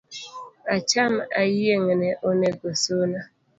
Acham ayiengne onego suna